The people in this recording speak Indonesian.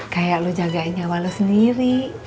kayak lu jagain nyawa lu sendiri